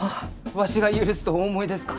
わしが許すとお思いですか？